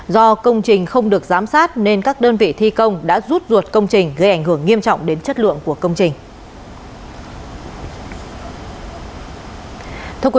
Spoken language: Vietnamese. do công trình không được giám sát nên các đơn vị thi công đã rút ruột công trình gây ảnh hưởng nghiêm trọng đến chất lượng của công trình